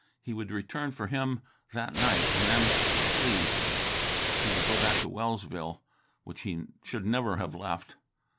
He would return for him that night, then flee. He would go back to Wellsville, which he should never have left.